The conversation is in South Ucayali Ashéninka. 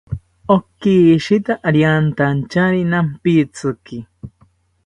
Okishita riantanchari nampitziki